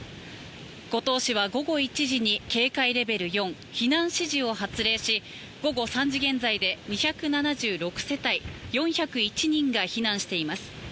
五島市は午後１時に警戒レベル４、避難指示を発令し午後３時現在で２７６世帯４０１人が避難しています。